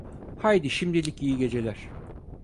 Haydi şimdilik iyi geceler…